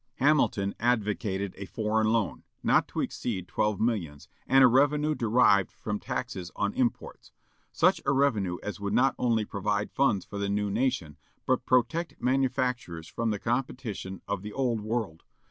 Hamilton advocated a foreign loan, not to exceed twelve millions, and a revenue derived from taxes on imports; such a revenue as would not only provide funds for the new nation, but protect manufactures from the competition of the old world.